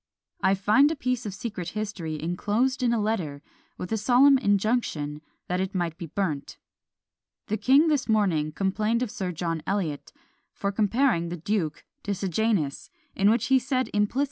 I find a piece of secret history enclosed in a letter, with a solemn injunction that it might be burnt. "The king this morning complained of Sir John Eliot for comparing the duke to Sejanus, in which he said implicitly he must intend me for Tiberius!"